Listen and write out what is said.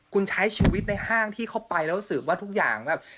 คุณใช้ชีวิตในห้างที่เข้าไปแล้วรู้สึกว่าทุกอย่างแบบ